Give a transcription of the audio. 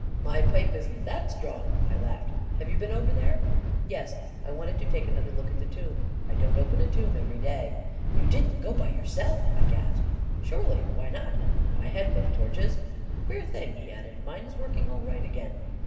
" My pipe isn't that strong !" I laughed. u Have you been over there ?" "Yes. I wanted to take another look at the tomb. I don't open a tomb every day t " 44 You didn't go by yourself 1 " I gasped. "Surely — why not? I had both torches. Queer thing," he added; " mine is working all right again."